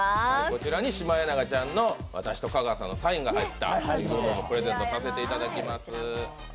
こちらにシマエナガちゃんの私と香川さんりサインが入ったものプレゼントさせていただきます。